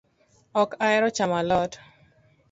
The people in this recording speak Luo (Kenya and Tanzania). Ok ahero chamo alot